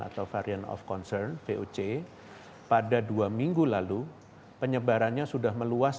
atau variant of concern voc pada dua minggu lalu penyebarannya sudah meluas